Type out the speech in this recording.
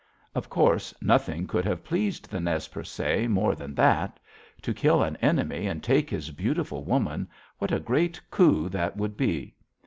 "Of course, nothing could have pleased the Nez Percé more than that. To kill an enemy and take his beautiful woman, what a big coup that would be!